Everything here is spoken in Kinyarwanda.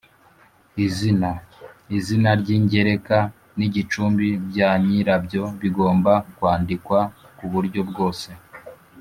Izina izina ry ingereka n icumbi bya nyirabyo bigomba kwandikwa ku buryo bwose